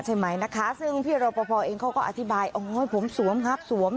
ใช่ไหมคะซึ่งพี่รอปภเองเขาก็อธิบายโอ้โหผมสวมครับสวม